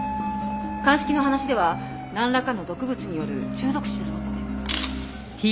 鑑識の話ではなんらかの毒物による中毒死だろうって。